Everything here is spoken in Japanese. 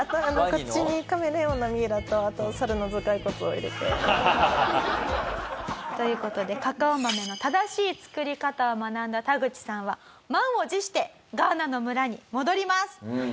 こっちにカメレオンのミイラとサルの頭蓋骨を入れて。という事でカカオ豆の正しい作り方を学んだタグチさんは満を持してガーナの村に戻ります。